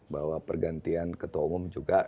bahwa pergantian ketua umum juga